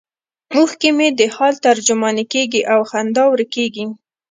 اوښکې مو د حال ترجمانې کیږي او خندا ورکیږي